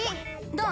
どう？